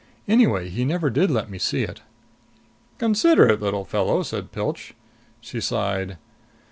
Anyway, he never did let me see it." "Considerate little fellow!" said Pilch. She sighed.